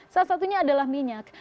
salah satunya adalah minyak